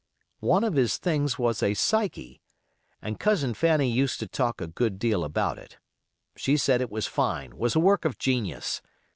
One of his things was a Psyche, and Cousin Fanny used to talk a good deal about it; she said it was fine, was a work of genius.